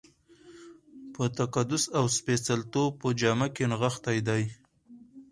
په تقدس او سپېڅلتوب په جامه کې نغښتی دی.